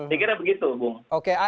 saya kira begitu bung